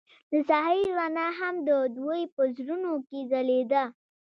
د ساحل رڼا هم د دوی په زړونو کې ځلېده.